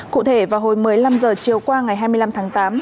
cụ thể vào hồi một mươi năm h chiều qua ngày hai mươi năm tháng tám